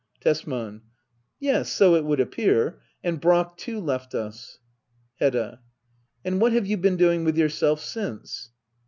Tesman. Yes^ so it would appear. And Bracks too^ left us. Hedda. And what have you been doing with yourself since